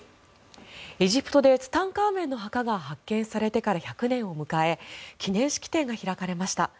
エジプトでツタンカーメンの墓が発見されてから１００年を迎え記念式典が開かれました。